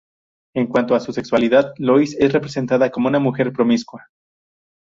En cuanto a su sexualidad, Lois es representada como una mujer promiscua.